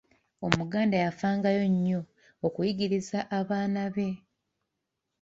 Omuganda yafangayo nnyo okuyigiriza abaana be